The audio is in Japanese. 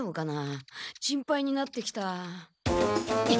心配になってきた。